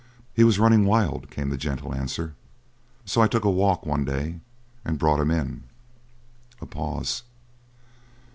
"He was running wild," came the gentle answer. "So I took a walk, one day, and brought him in." A pause.